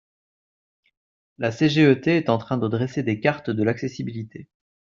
Le CGET est en train de dresser des cartes de l’accessibilité.